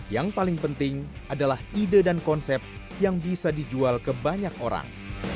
yang paling penting adalah ide dan konsep yang bisa dijual ke banyak orang